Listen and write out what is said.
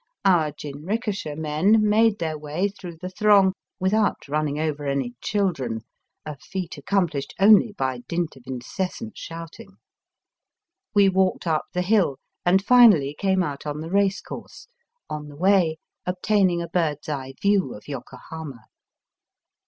Our jinrikisha men made their way through the throng without running over any children, a feat accomplished only by dint of incessant shouting. We walked up the hill and finally came out on the racecourse, on the way ob taining a bird's eye view of Yokohama.